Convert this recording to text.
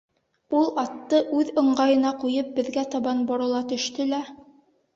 Ул, атты үҙ ыңғайына ҡуйып, беҙгә табан борола төштө лә: